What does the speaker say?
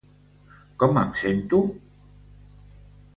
Com em sento?